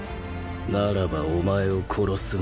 ならばお前を殺すまでだ。